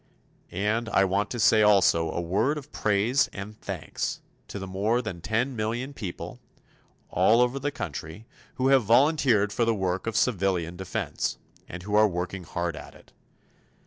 And I want to say also a word of praise and thanks to the more than ten million people, all over the country, who have volunteered for the work of civilian defense and who are working hard at it.